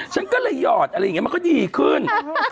ฉันก็เลยหยอดอะไรอย่างนี้มันก็ดีขึ้น